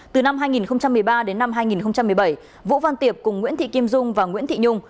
từ năm hai nghìn một mươi ba đến năm hai nghìn một mươi bảy vũ văn tiệp cùng nguyễn thị kim dung và nguyễn thị nhung